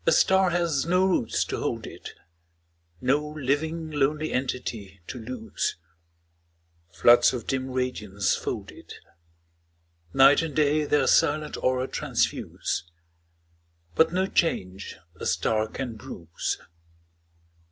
A star has do roots to hold it, No living lonely entity to lose. Floods of dim radiance fold it ; Night and day their silent aura transfuse, But no change a star oan bruise.